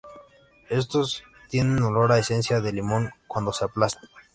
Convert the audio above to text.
Estos tienen olor a esencia de limón cuando se aplastan.